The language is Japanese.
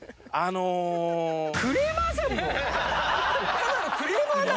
ただのクレーマーだよ！